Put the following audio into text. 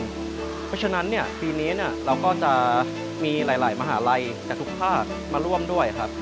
เพราะฉะนั้นปีนี้เราก็จะมีหลายมหาลัยจากทุกภาคมาร่วมด้วยครับ